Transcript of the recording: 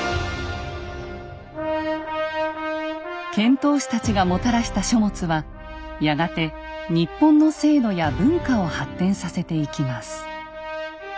遣唐使たちがもたらした書物はやがて日本の制度や文化を発展させていきます。